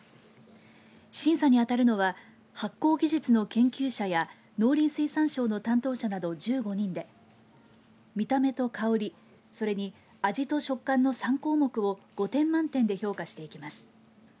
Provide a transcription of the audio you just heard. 審査に当たるのは発酵技術の研究者や農林水産省の担当者など１５人で見た目と香りそれに、味と食感の３項目を５点満点で評価していきます。